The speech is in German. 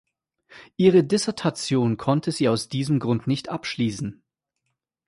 Ihre Dissertation konnte sie aus diesem Grund nicht abschließen.